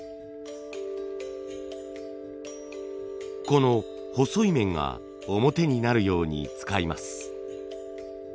この細い面が表になるように使います。